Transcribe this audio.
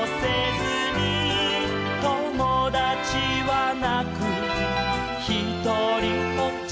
「ともだちはなくひとりぽっち」